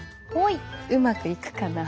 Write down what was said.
うまくいくかな。